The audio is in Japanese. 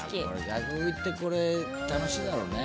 外国行ってこれ楽しいだろうね。